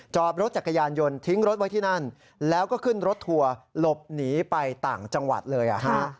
จอดรถจักรยานยนต์ทิ้งรถไว้ที่นั่นแล้วก็ขึ้นรถทัวร์หลบหนีไปต่างจังหวัดเลยอ่ะฮะ